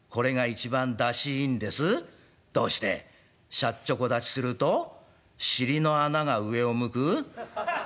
『しゃっちょこ立ちすると尻の穴が上を向く』？」。